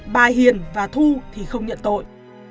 bà hiền và thu thì không nhận tội